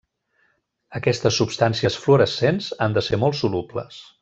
Aquestes substàncies fluorescents han de ser molt solubles.